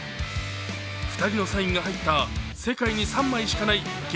２人のサインが入った世界に３枚しかない激